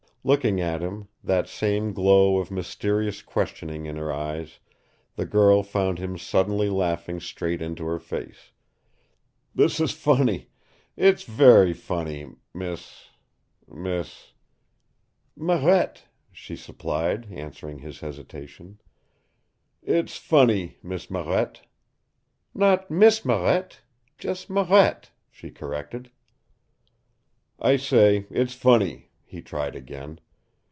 Looking at him, that same glow of mysterious questioning in her eyes, the girl found him suddenly laughing straight into her face. "This is funny. It's very funny, Miss Miss " "Marette," she supplied, answering his hesitation. "It's funny, Miss Marette." "Not Miss Marette. Just Marette," she corrected. "I say, it's funny," he tried again.